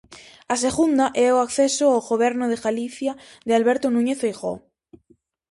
A segunda é o acceso o goberno de Galicia de Alberto Núñez Feijóo.